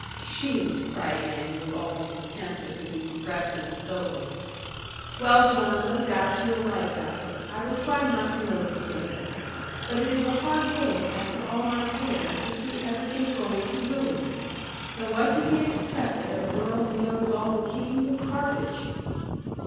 'She,' cried Annie, with all the contempt that could be compressed in a syllable. 'Well, John, no doubt you are right about it. I will try not to notice things. But it is a hard thing, after all my care, to see everything going to ruin. But what can be expected of a girl who knows all the kings of Carthage?'